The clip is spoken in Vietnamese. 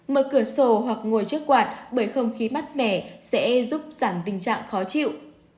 mở cửa sổ hoặc ngồi trước quạt bởi không khí mát mẻ sẽ giúp giảm tình trạng khó chịu